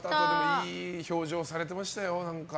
いい表情されてましたよ。